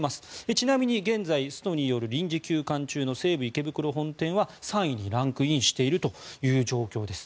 ちなみに現在、ストによる臨時休館中の西武池袋本店は３位にランクインしているという状況です。